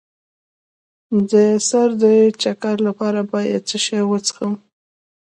د سر د چکر لپاره باید څه شی وڅښم؟